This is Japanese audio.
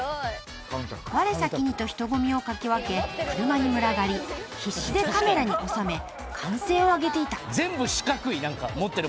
［われ先にと人混みをかき分け車に群がり必死でカメラに収め歓声を上げていた］